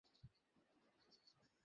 শামুক খাওয়ার জন্য না।